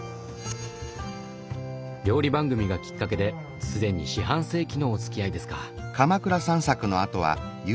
料理番組がきっかけで既に四半世紀のおつきあいですか。